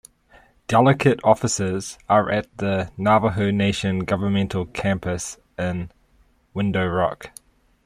Delegate offices are at the Navajo Nation governmental campus in Window Rock.